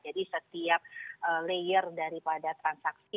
jadi setiap layer daripada transaksi